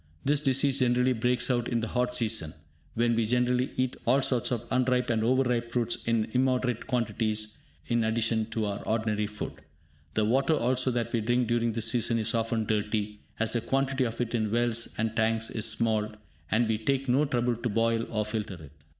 This disease generally breaks out in the hot season, when we generally eat all sorts of unripe and over ripe fruits in immoderate quantities and in addition to our ordinary food. The water also that we drink during this season is often dirty, as the quantity of it in wells and tanks is small, and we take no trouble to boil or filter it.